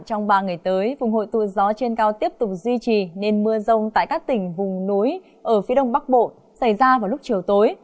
trong ba ngày tới vùng hội tụ gió trên cao tiếp tục duy trì nên mưa rông tại các tỉnh vùng núi ở phía đông bắc bộ xảy ra vào lúc chiều tối